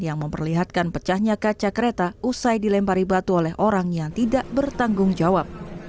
yang memperlihatkan pecahnya kaca kereta usai dilempari batu oleh orang yang tidak bertanggung jawab